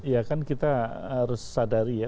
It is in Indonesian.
ya kan kita harus sadari ya